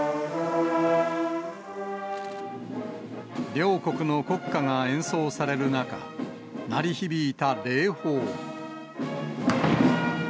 両国の国歌が演奏される中、鳴り響いた礼砲。